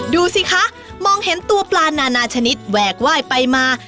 ดูสิคะมองเห็นตัวปลานานาชนิดแหวกไหว้ไปมา